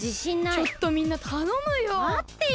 ちょっとみんなたのむよ。